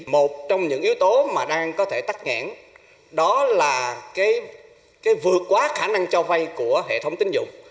một trong những yếu tố mà đang có thể tắt nghẽn đó là vượt quá khả năng cho vay của hệ thống tính dụng